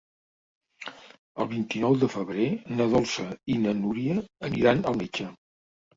El vint-i-nou de febrer na Dolça i na Núria aniran al metge.